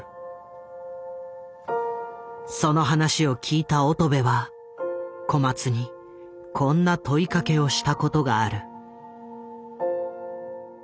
その話を聞いた乙部は小松にこんな問いかけをしたことがある。